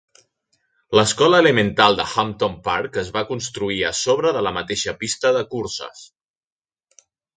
L'Escola Elemental de Hampton Park es va construir a sobre de la mateixa pista de curses.